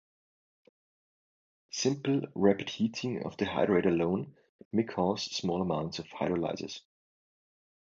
Simple rapid heating of the hydrate alone may cause small amounts of hydrolysis.